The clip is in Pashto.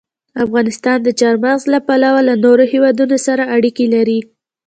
افغانستان د چار مغز له پلوه له نورو هېوادونو سره اړیکې لري.